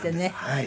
はい。